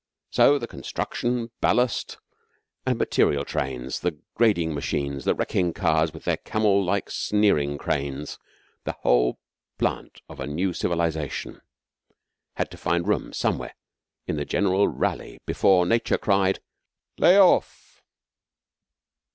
So the construction, ballast, and material trains, the grading machines, the wrecking cars with their camel like sneering cranes the whole plant of a new civilisation had to find room somewhere in the general rally before Nature cried, 'Lay off!'